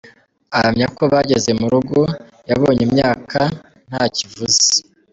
Ahamya ko bageze mu rugo yabonye imyaka ntacyo ivuze.